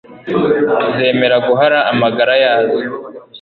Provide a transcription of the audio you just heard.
zemera guhara amagara yazo